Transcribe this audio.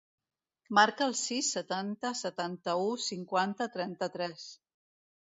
Marca el sis, setanta, setanta-u, cinquanta, trenta-tres.